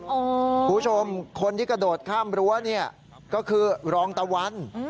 คุณผู้ชมคนที่กระโดดข้ามรั้วเนี่ยก็คือรองตะวัน